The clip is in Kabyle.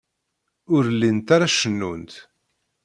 Ur llint ara cennunt.